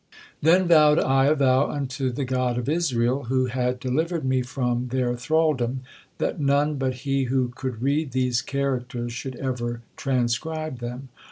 Then vowed I a vow unto the God of Israel, who had delivered me from their thraldom, that none but he who could read these characters should ever transcribe them.